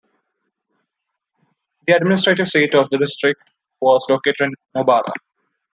The administrative seat of the district was located in Mobara.